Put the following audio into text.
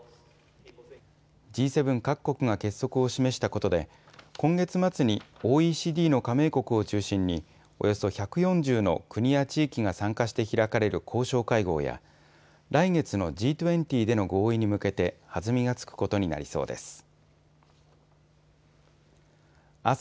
Ｇ７各国が結束を示したことで今月末にＯＥＣＤの加盟国を中心におよそ１４０の国や地域が参加して開かれる交渉会合や来月のＧ２０での合意に向けて弾みがつくことになりそうです。